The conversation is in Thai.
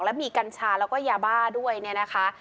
และมีกัญชาแล้วก็ยาบ้าด้วยเนี่ยนะคะ